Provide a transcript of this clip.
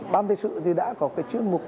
ban tây sự thì đã có cái chuyên mục